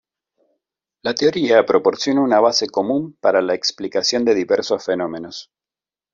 La teoría proporciona una base común para la explicación de diversos fenómenos.